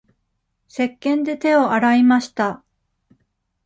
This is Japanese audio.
せっけんで手を洗いました。